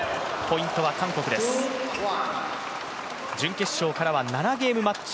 準決勝からは７ゲームマッチ。